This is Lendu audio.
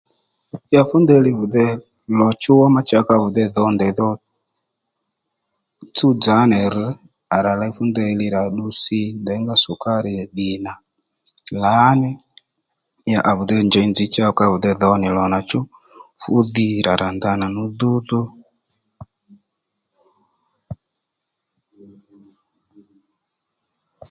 Ya fú ndeyli vide lò chú ma cha ka vi dey dhǒ ndèydhò tsúwdzà ó nì rř à rà ley fú ndèyli rà ddu si fú nděyngá sukari dhì nà lǎní ya à vìdey njèy nzǐ cha ka vi dey dhǒ nì lò nà chú fú dhi rà ra nda nà nú dhúdhú